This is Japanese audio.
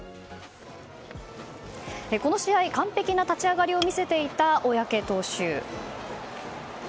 この試合、完璧な立ち上がりを見せていた小宅投手。